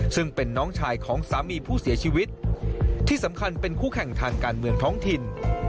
ซึ่งเป็นน้องชายของสามีผู้เสียชีวิตที่สำคัญเป็นคู่แข่งทางการเมืองท้องถิ่น